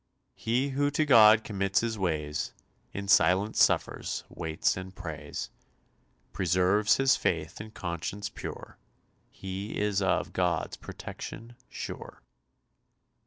"He who to God commits his ways, In silence suffers, waits, and prays, Preserves his faith and conscience pure, He is of God's protection sure."